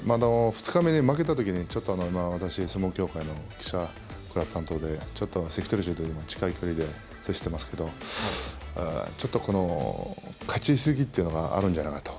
２日目に負けたときにちょっと私、相撲協会の記者クラブ担当でちょっと関取衆と近い距離で接してますけどちょっとこの勝ち急ぎというのがあるんじゃないかなと。